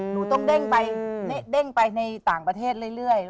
หนูต้องเด้งไปเด้งไปในต่างประเทศเรื่อย